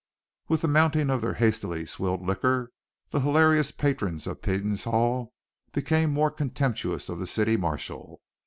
With the mounting of their hastily swilled liquor the hilarious patrons of Peden's hall became more contemptuous of the city marshal.